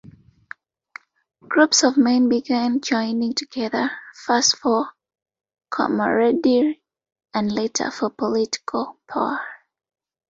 Groups of men began joining together, first for camaraderie and later for political power.